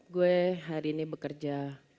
gue hari ini bekerja